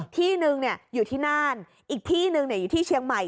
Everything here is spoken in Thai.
ที่นึงอยู่ที่น่านอีกที่หนึ่งอยู่ที่เชียงใหม่